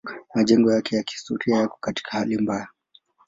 Majengo yake ya kihistoria yako katika hali mbaya.